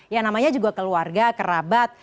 ya namanya juga keluarga kerabat